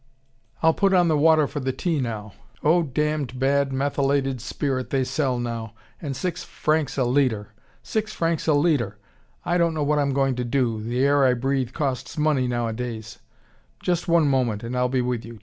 I'll put on the water for the tea now. Oh, damned bad methylated spirit they sell now! And six francs a litre! Six francs a litre! I don't know what I'm going to do, the air I breathe costs money nowadays Just one moment and I'll be with you!